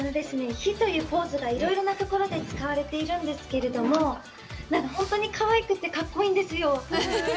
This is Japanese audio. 「ヒ」というポーズがいろいろなところで使われているんですけれどもなんか本当にかわいくてかっこいいんですよ。